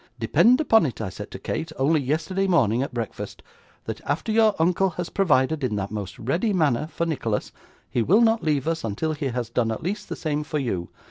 "Depend upon it," I said to Kate, only yesterday morning at breakfast, "that after your uncle has provided, in that most ready manner, for Nicholas, he will not leave us until he has done at least the same for you."